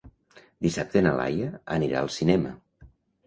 Dissabte na Laia anirà al cinema.